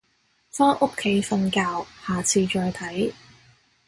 返屋企瞓覺，下次再睇